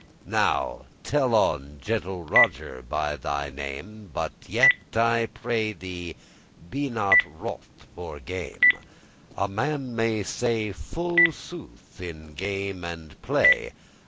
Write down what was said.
Now tell on, gentle Roger, by thy name, But yet I pray thee be not *wroth for game*; *angry with my jesting* A man may say full sooth in game and play."